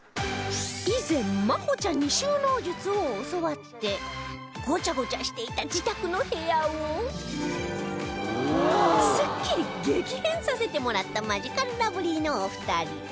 以前麻帆ちゃんに収納術を教わってごちゃごちゃしていた自宅の部屋をスッキリ激変させてもらったマヂカルラブリーのお二人